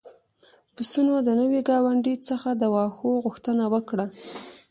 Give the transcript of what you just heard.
پسونو د نوي ګاونډي څخه د واښو غوښتنه وکړه.